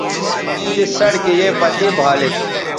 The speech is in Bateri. تس سڑکے یے پتے بھالید